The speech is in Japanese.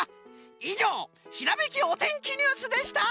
いじょうひらめきおてんきニュースでした！